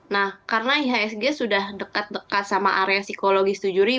nah karena ihsg sudah dekat dekat sama area psikologis tujuh